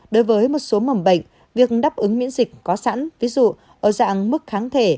đối với một số mầm bệnh việc đáp ứng miễn dịch có sẵn ví dụ ở dạng mức kháng thể